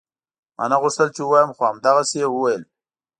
ما نه غوښتل چې ووايم خو همدغسې يې وويل.